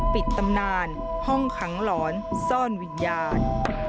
ปิดตำนานห้องขังหลอนซ่อนวิญญาณ